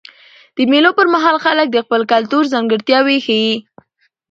د مېلو پر مهال خلک د خپل کلتور ځانګړتیاوي ښیي.